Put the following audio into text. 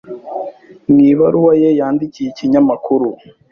Mu ibaruwa ye yandikiye ikinyamakuru